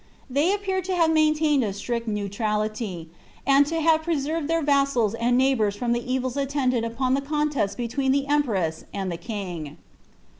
They appear to have main ed a strict neutrality, and to have preserved their vassals and neigh rs from the evils attendant upon the contest between the empress the king.